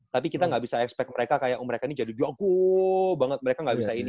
tapi kita gak bisa expect mereka kayak oh mereka ini jadi juaguh banget mereka nggak bisa ini